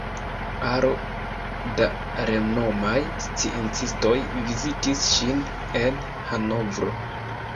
Aro da renomaj sciencistoj vizitis ŝin en Hanovro.